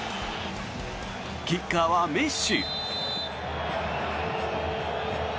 キッカーはメッシ。